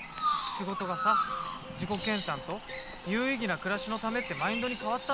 仕事がさ自己研さんと有意義な暮らしのためってマインドに変わったのはさ。